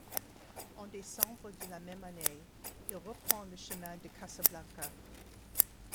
En décembre de la même année, il reprend le chemin de Casablanca.